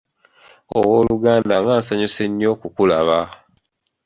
Ow'oluganda nga nsanyuse nnyo okukulaba.